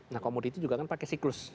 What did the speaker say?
nah komoditi juga kan pakai siklus